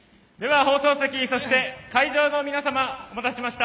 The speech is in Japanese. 放送席、会場の皆様お待たせしました。